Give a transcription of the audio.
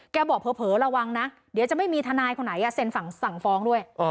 บอกเผลอระวังนะเดี๋ยวจะไม่มีทนายคนไหนเซ็นสั่งฟ้องด้วย